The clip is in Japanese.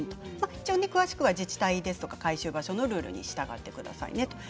一応、詳しくは自治体や回収場所のルールに従ってください。